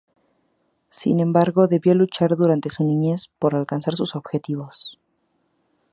Sin embargo debió luchar durante su niñez por alcanzar sus objetivos.